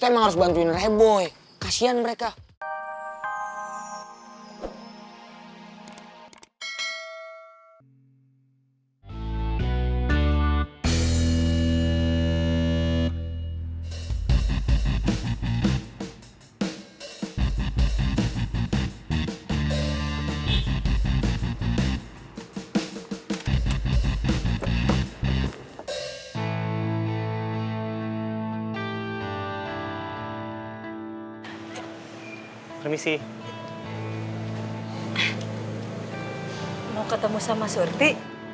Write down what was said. mau ketemu sama surti